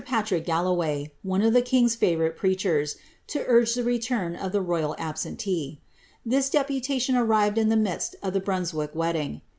Patrick Galloway, one of the king's fiivourite preachers,' to urge tlie return of the royal absentee. This deputation arrived in the midst of the Brunswick wedding.